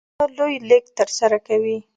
بیړۍ د بارونو لوی لېږد ترسره کوي.